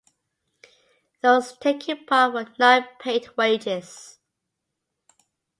Those taking part were not paid wages.